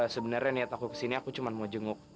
sebenernya nih aku ke sini cuman mau jenguk